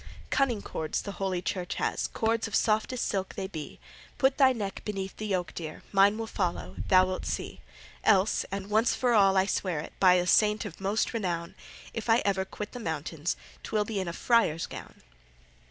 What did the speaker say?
Cunning cords the holy Church has, Cords of softest silk they be; Put thy neck beneath the yoke, dear; Mine will follow, thou wilt see. Else and once for all I swear it By the saint of most renown If I ever quit the mountains, 'T will be in a friar's gown.